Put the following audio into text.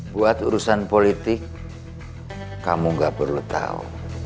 buat urusan politik kamu gak perlu tahu